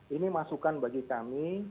ini masukan bagi kami